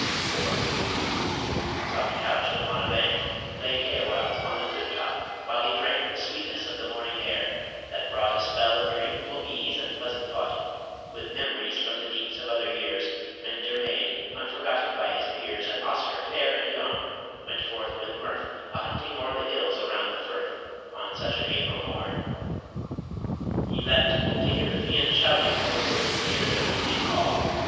IV. Soft couch'd upon a bank Lay Caoilte on the cliff top, while he drank The sweetness of the morning air, that brought A spell of dreamful ease and pleasant thought, With mem'ries from the deeps of other years When Dermaid, unforgotten by his peers, And Oscar, fair and young, went forth with mirth A hunting o'er the hills around the firth On such an April morn.... He leapt to hear The Fians shouting from a woodland near Their hunting call.